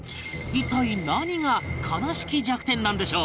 一体何が悲しき弱点なんでしょう？